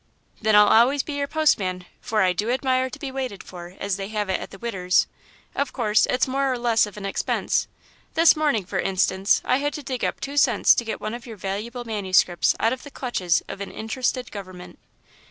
"Then I'll always be your postman, for I 'do admire' to be waited for, as they have it at the 'Widder's.' Of course, it's more or less of an expense this morning, for instance, I had to dig up two cents to get one of your valuable manuscripts out of the clutches of an interested government."